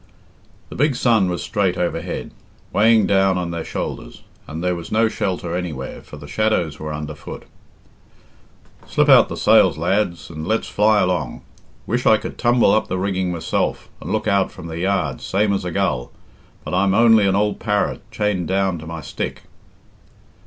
The big sun was straight overhead, weighing down on their shoulders, and there was no shelter anywhere, for the shadows were under foot. "Slip out the sails, lads, and let's fly along. Wish I could tumble up the rigging myself and look out from the yards same as a gull, but I'm only an ould parrot chained down to my stick."